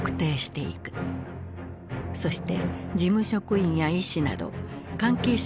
そして事務職員や医師など関係者